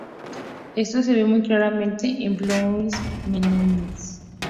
Esto se ve muy claramente en Plouneour-Menez.